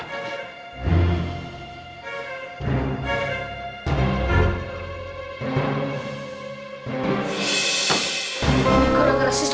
udah dapet sih